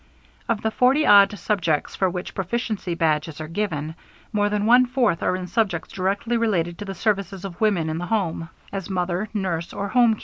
Of the forty odd subjects for which Proficiency Badges are given, more than one fourth are in subjects directly related to the services of woman in the home, as mother, nurse, or home keeper.